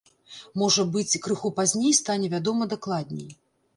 Можа быць, крыху пазней стане вядома дакладней.